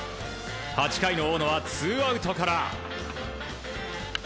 ８回の大野はツーアウトから。